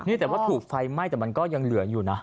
นี่แต่ว่าถูกไฟไหม้แต่มันก็ยังเหลืออยู่นะ